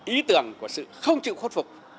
ý tưởng của sự không chịu khuất phục